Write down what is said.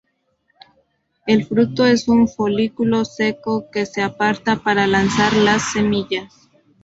El fruto es un folículo seco que se aparta para lanzar las semillas.